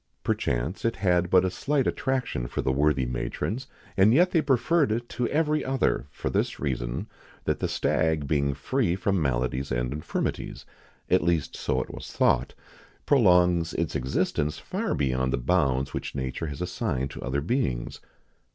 Perchance it had but a slight attraction for the worthy matrons, and yet they preferred it to every other, for this reason, that the stag being free from maladies and infirmities at least so it was thought prolongs its existence far beyond the bounds which nature has assigned to other beings.